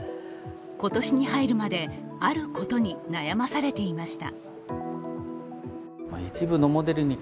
今年に入るまであることに悩まされていました。